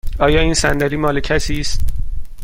آیا این صندلی مال کسی است؟